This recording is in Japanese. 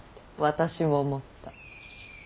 私も思った。